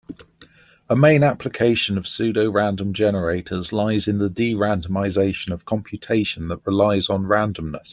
A main application of pseudorandom generators lies in the de-randomization of computation that relies on randomness.